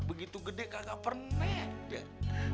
begitu gede nggak pernah